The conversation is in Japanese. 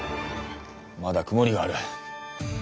まだ曇りがある。